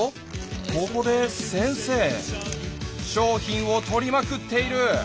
ここで先生商品を取りまくっている！